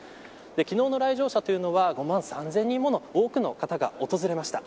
昨日の来場者というのは５万３０００人もの多くの方が訪れました。